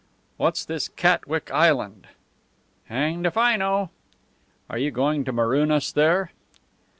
"What's this Catwick Island?" "Hanged if I know!" "Are you going to maroon us there?"